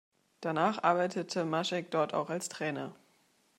Danach arbeitete Mašek dort auch als Trainer.